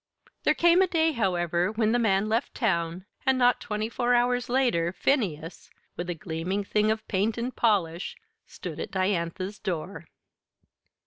There came a day, however, when the man left town, and not twenty four hours later, Phineas, with a gleaming thing of paint and polish, stood at Diantha's door.